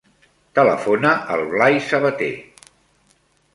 Telefona al Blai Sabate.